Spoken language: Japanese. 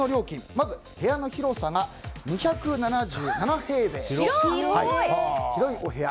まず、部屋の広さが２７７平米と広いお部屋。